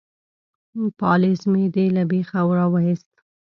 _پالېز مې دې له بېخه را وايست.